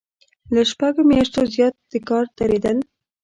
له شپږو میاشتو زیات د کار دریدل.